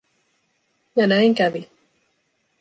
Ja näin kävi.